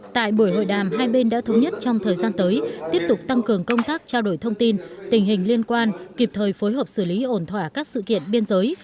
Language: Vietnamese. tại buổi hội đàm hai bên đã thống nhất trong thời gian tới tiếp tục tăng cường công tác trao đổi thông tin tình hình liên quan kịp thời phối hợp xử lý ổn thỏa các sự kiện biên giới